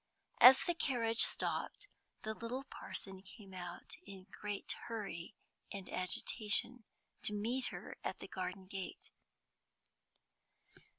As the carriage stopped, the little parson came out, in great hurry and agitation, to meet her at the garden gate.